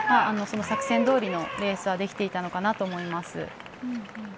その作戦どおりのレースができていたのかなと思います。